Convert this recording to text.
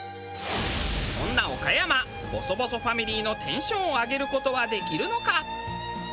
そんな岡山ボソボソファミリーのテンションを上げる事はできるのか？